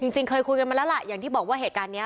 จริงเคยคุยกันมาแล้วล่ะอย่างที่บอกว่าเหตุการณ์นี้